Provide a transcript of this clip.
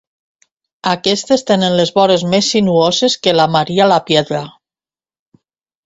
Aquestes tenen les vores més sinuoses que la Maria Lapiedra.